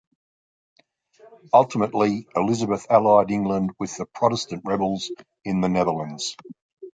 Ultimately, Elizabeth allied England with the Protestant rebels in the Netherlands.